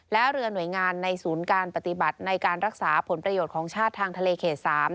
และเรือหน่วยงานในศูนย์การปฏิบัติในการรักษาผลประโยชน์ของชาติทางทะเลเขต๓